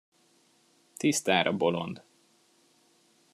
Tisztára bolond.